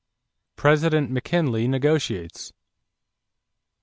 =President McKinley Negotiates.